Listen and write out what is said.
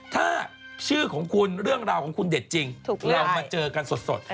ถ้าชื่อของคุณเรื่องราวของคุณเด็ดจริงเรามาเจอกันสด